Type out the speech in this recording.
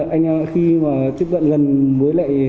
anh em khi mà tiếp cận gần mới lại